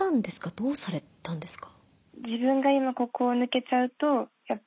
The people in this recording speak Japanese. どうされたんですか？